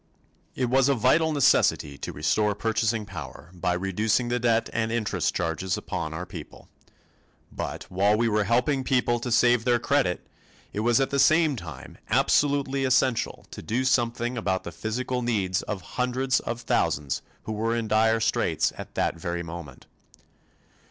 It was a vital necessity to restore purchasing power by reducing the debt and interest charges upon our people, but while we were helping people to save their credit it was at the same time absolutely essential to do something about the physical needs of hundreds of thousands who were in dire straits at that very moment.